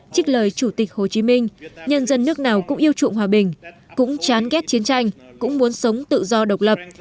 trích lời chủ tịch hồ chí minh nhân dân nước nào cũng yêu trụng hòa bình cũng chán ghét chiến tranh cũng muốn sống tự do độc lập